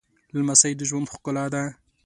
لمسی د ژوند ښکلا ده